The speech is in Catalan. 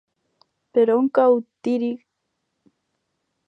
Per on cau Tírig?